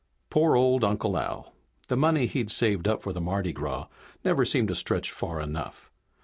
Poor old Uncle Al. The money he'd saved up for the Mardi Gras never seemed to stretch far enough.